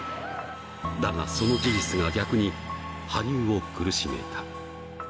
だがその事実が逆に羽生を苦しめた。